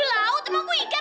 eh kalau gak tidur sedul